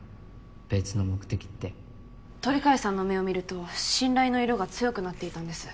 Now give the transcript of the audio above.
別の目的って鳥飼さんの目を見ると「信頼」の色が強くなっていたんです。